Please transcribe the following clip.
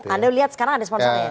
anda lihat sekarang ada sponsor ya